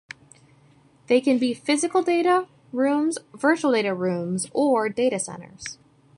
They can be physical data rooms, virtual data rooms, or data centers.